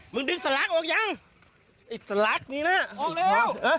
มึงดึงสลักออกยังไอ้สลักนี่แหละออกเร็ว